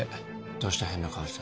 どうした変な顔して。